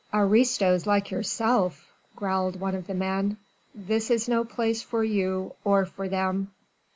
"Aristos like yourself!" growled one of the men. "This is no place for you or for them."